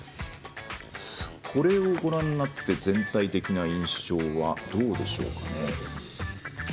これをご覧になって全体的な印象はどうでしょうかね。